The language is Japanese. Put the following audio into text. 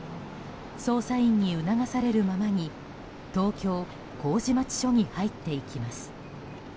捜査員に促されるままに東京・麹町署に入っていきます。